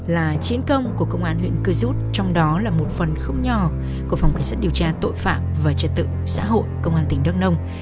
là chiến công của công an huyện cư dút trong đó là một phần khúc nhò của phòng khách sát điều tra tội phạm và trật tự xã hội công an tỉnh đắk nông